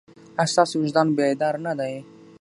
ایا ستاسو وجدان بیدار نه دی؟